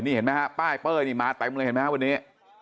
นี่เห็นมั้ยฮะป้ายเป้อนี่มาตั้งเลยเห็นมั้ยฮะวันนี้